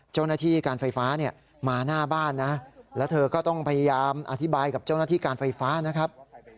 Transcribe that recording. เจ้าหน้าที่การไฟฟ้าเนี่ยมาหน้าบ้านนะแล้วเธอก็ต้องพยายามอธิบายกับเจ้าหน้าที่การไฟฟ้านะครับ